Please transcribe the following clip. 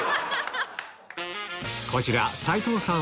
こちら斎藤さん